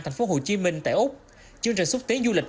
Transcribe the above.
tp hcm tại úc chương trình xúc tiến du lịch